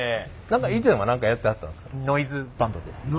何か以前は何かやってはったんですか？